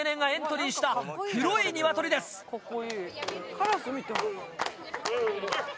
カラスみたい。